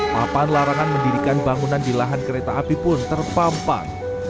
papan larangan mendirikan bangunan di lahan kereta api pun terpampang